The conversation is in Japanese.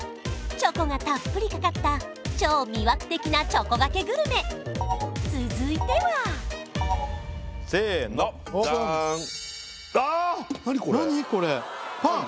チョコがたっぷりかかった超魅惑的なチョコがけグルメ続いてはせのオープンじゃんあ！